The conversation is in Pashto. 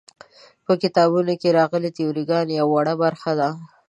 په کتابونو کې راغلې تیوري ګانې یوه وړه برخه ده.